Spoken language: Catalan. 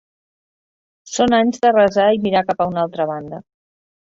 Són anys de resar i mirar cap a una altra banda.